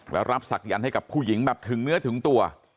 แล้วรับศักยันต์ให้กับผู้หญิงแบบถึงเนื้อถึงตัว